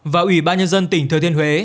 và ủy ban nhân dân tp hcm